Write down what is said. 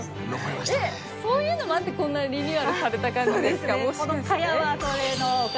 えっそういうのもあってこんなリニューアルされた感じですか？